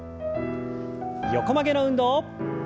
横曲げの運動。